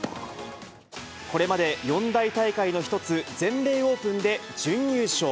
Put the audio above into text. これまで四大大会の一つ、全米オープンで準優勝。